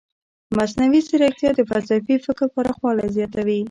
مصنوعي ځیرکتیا د فلسفي فکر پراخوالی زیاتوي.